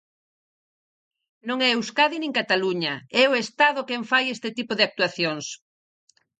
Non é Euskadi nin Cataluña, é o Estado quen fai este tipo de actuacións.